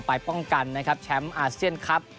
ไปป้องกันนะครับแชมป์อาเซียนครับ